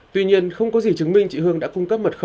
tuy nhiên không có gì chứng minh chị hương đã cung cấp mật khẩu